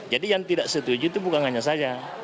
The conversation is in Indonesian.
jadi yang tidak setuju itu bukan hanya saya